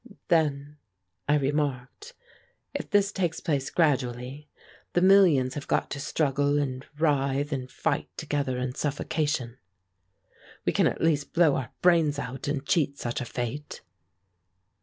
"Then," I remarked, "if this takes place gradually, the millions have got to struggle and writhe and fight together in suffocation. We can at least blow our brains out and cheat such a fate."